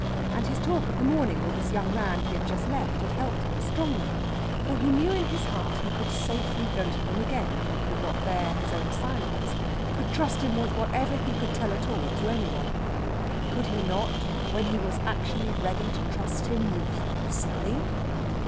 And his talk of the morning with this young man he had just left had helped him strongly. For he knew in his heart he could safely go to him again if he could not bear his own silence, could trust him with whatever he could tell at all to any one. Could he not, when he was actually ready to trust him with Sally?